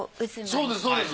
そうですそうです。